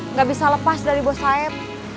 nggak bisa lepas dari bos sayap